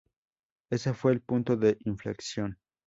Ese fue el punto de inflexión.